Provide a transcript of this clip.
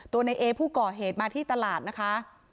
ในเอผู้ก่อเหตุมาที่ตลาดนะคะ